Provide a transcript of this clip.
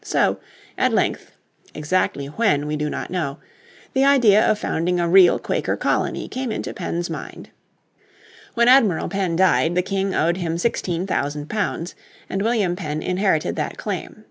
So at length (exactly when we do not know), the idea of founding a real Quaker colony came into Penn's mind. When Admiral Penn died the King owed him £16,000 and William Penn inherited that claim.